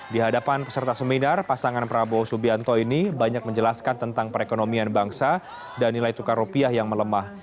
di hadapan peserta seminar pasangan prabowo subianto ini banyak menjelaskan tentang perekonomian bangsa dan nilai tukar rupiah yang melemah